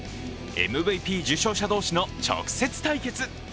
ＭＶＰ受賞者同士の直接対決。